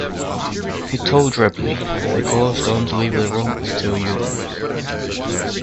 He told Ripley, The Colors don't leave the room until you do.